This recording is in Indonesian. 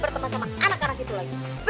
bercuma ngucapin kesini tapi